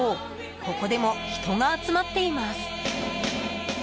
ここでも人が集まっています。